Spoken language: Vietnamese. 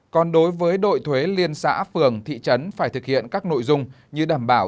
còn đối với đội thuế liên xã phường thị trấn phải thực hiện các nội dung như đảm bảo